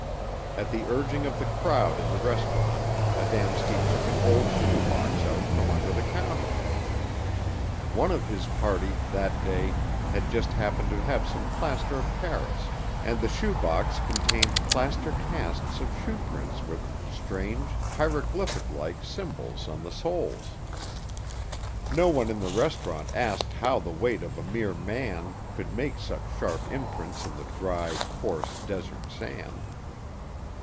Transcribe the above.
At the urging of the crowd in the restaurant Adamski took an old shoe box out from under the counter. One of his party, that day, had just happened to have some plaster of paris and the shoe box contained plaster casts of shoe prints with strange, hieroglyphic like symbols on the soles. No one in the restaurant asked how the weight of a mere man could make such sharp imprints in the dry, coarse desert sand.